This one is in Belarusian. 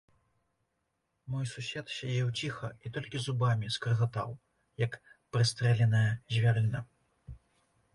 Мой сусед сядзеў ціха і толькі зубамі скрыгатаў, як прыстрэленая звярына.